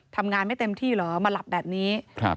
ไม่เต็มที่เหรอมาหลับแบบนี้